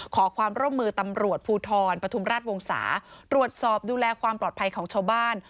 ขอความร่วมมือตำรวจภูทรปฐุมราชวงศาตรวจสอบดูแลความปลอดภัยของชาวบ้าน